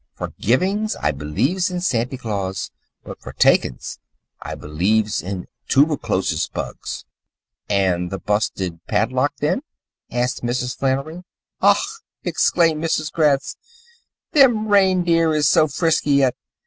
For givings I beliefs in Santy Claus, but for takings I beliefs in toober chlosis bugs." "An' th' busted padlock, then?" asked Mrs. Flannery. "Ach!" exclaimed Mrs. Gratz. "Them reindeers is so frisky, yet.